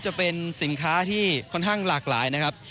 จะเป็นสินค้าที่ค่อนข้างหลากหลายนะครับ